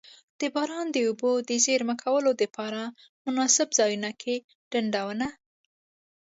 د باران د اوبو د زیرمه کولو دپاره مناسب ځایونو کی ډنډونه.